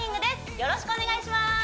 よろしくお願いします